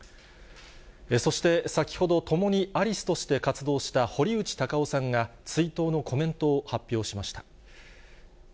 そして、先ほど共にアリスとして活動した堀内孝雄さんが、追悼のコメントを発表しました。